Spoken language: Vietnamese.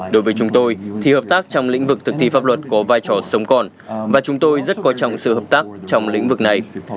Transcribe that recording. đối với chúng tôi thì hợp tác trong lĩnh vực thực thi pháp luật có vai trò sống còn và chúng tôi rất quan trọng sự hợp tác trong lĩnh vực này